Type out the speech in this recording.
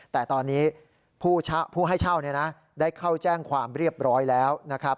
แต่ตอนนี้ผู้ให้เช่าได้เข้าแจ้งความเรียบร้อยแล้วนะครับ